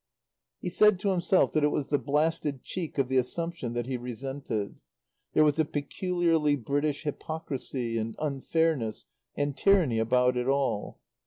He said to himself that it was the blasted cheek of the assumption that he resented. There was a peculiarly British hypocrisy and unfairness and tyranny about it all.